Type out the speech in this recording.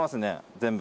全部。